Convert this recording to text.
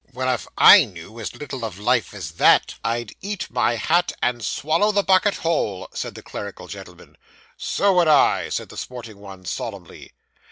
'Well, if I knew as little of life as that, I'd eat my hat and swallow the buckle whole,' said the clerical gentleman. 'So would I,' added the sporting one solemnly.